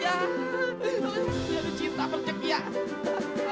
ya udah cinta percaya